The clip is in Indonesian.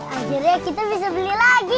akhirnya kita bisa beli lagi